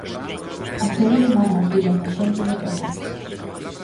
A serie narra as vidas da xente do pobo.